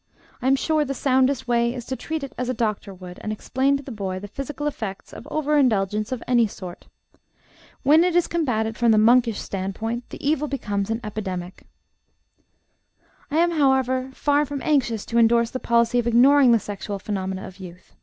I am sure the soundest way is to treat it as a doctor would, and explain to the boy the physical effects of over indulgence of any sort. When it is combated from the monkish standpoint, the evil becomes an epidemic." I am, however, far from anxious to indorse the policy of ignoring the sexual phenomena of youth.